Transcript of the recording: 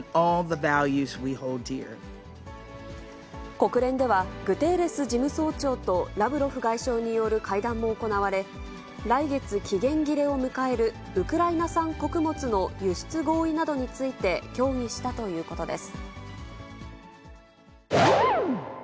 国連では、グテーレス事務総長とラブロフ外相による会談も行われ、来月、期限切れを迎えるウクライナ産穀物の輸出合意などについて協議したということです。